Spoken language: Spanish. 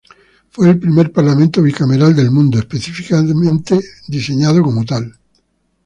Fue el "primer Parlamento bicameral del mundo", específicamente diseñado como tal.